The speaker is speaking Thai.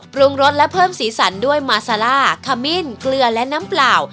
ปรุงรสและเพิ่มสีสันด้วยมาซาร่าขมิ้นเกลือและน้ำเปล่า